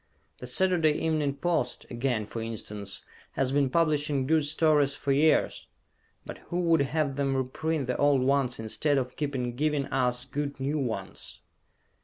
The Saturday Evening Post again, for instance has been publishing good stories for years, but who would have them reprint the old ones instead of keep giving us good new ones?